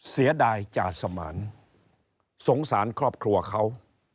เสียดายจ่าสมานสงสารครอบครัวเขา